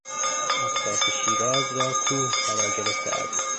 اطراف شیراز را کوه فرا گرفته است.